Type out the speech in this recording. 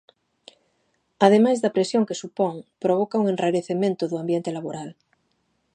Ademais da presión que supón, provoca "un enrarecemento do ambiente laboral".